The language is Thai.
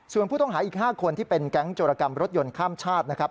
ส่วนผู้ต้องหาอีก๕คนที่เป็นแก๊งโจรกรรมรถยนต์ข้ามชาตินะครับ